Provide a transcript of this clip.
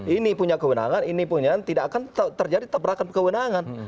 ini punya kewenangan ini punya tidak akan terjadi tabrakan kewenangan